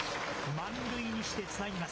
満塁にしてつなぎます。